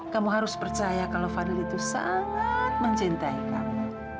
kamu harus percaya kalau fadil itu sangat mencintai kamu